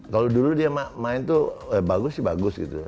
kalau dulu dia main tuh bagus sih bagus gitu